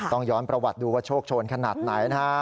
ต้องย้อนประวัติดูว่าโชคโชนขนาดไหนนะฮะ